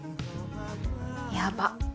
やばっ！